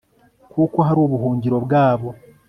kuko hari ubuhungiro bwabo